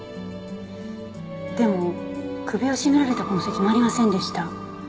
でも首を絞められた痕跡もありませんでした。